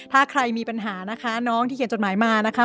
ถ้าใครมีปัญหาน้องที่เห็นมานะคะ